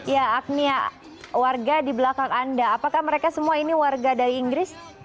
ya agnia warga di belakang anda apakah mereka semua ini warga dari inggris